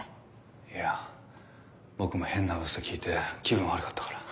いや僕も変な噂聞いて気分悪かったから。